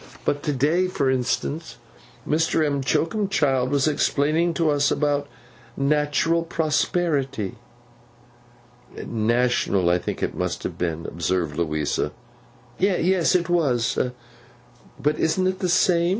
'But to day, for instance, Mr. M'Choakumchild was explaining to us about Natural Prosperity.' 'National, I think it must have been,' observed Louisa. 'Yes, it was.—But isn't it the same?